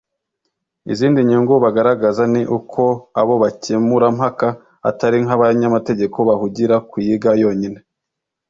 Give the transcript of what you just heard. Izindi nyungu bagaragaza ni uko abo bakemurampaka atari nk’abanyamategeko bahugira kuyiga yonyine